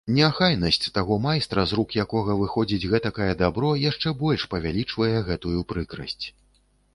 Неахайнасць таго майстра, з рук якога выходзіць гэтакае дабро, яшчэ больш павялічвае гэтую прыкрасць.